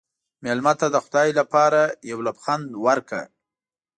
مېلمه ته د خدای لپاره یو لبخند ورکړه.